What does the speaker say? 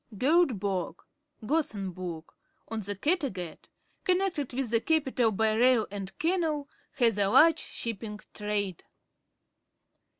Goteborg {Gothenburg}, on the Kattegat, connected with the capital by rail and canal, has a large shipping trade.